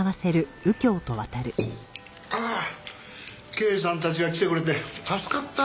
ああ刑事さんたちが来てくれて助かった。